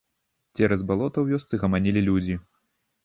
Цераз балота ў вёсцы гаманілі людзі.